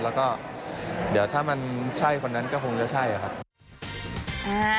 แล้วก็เดี๋ยวถ้ามันใช่คนนั้นก็คงจะใช่ครับ